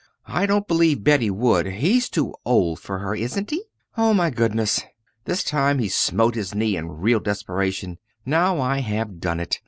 I don't believe Betty would; he's too old for her, isn't he? Oh, my goodness!" this time he smote his knee in real desperation "now I have done it.